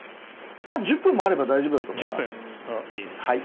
１０分もあれば大丈夫だと思います。